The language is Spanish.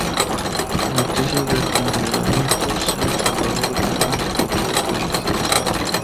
La noticia del envenenamiento se propagó rápidamente por todo el país.